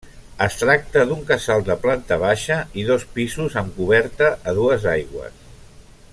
Es tracta d'un casal de planta baixa i dos pisos amb coberta a dues aigües.